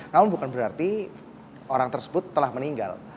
namun bukan berarti orang tersebut telah meninggal